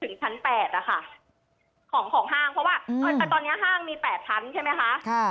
ของห้างเพราะว่าตอนนี้ห้างมี๘ชั้นใช่ไหมค่ะ